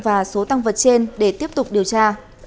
và số tăng vật trên để tiếp tục điều tra